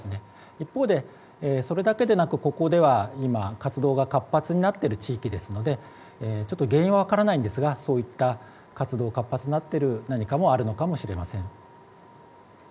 一方でそれだけでなくここでは今活動が活発になっている地域ですのでちょっと原因は分からないんですけれどそういった活動を活発になっている何かもあるのかもしれません。